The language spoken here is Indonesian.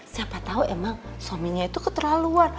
siapa tahu emang suaminya itu keterlaluan